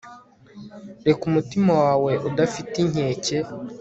reka umutima wawe udafite inkeke